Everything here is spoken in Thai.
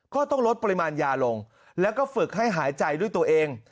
ก็ต้องลดปริมาณยาลงแล้วก็ฝึกให้หายใจด้วยตัวเอง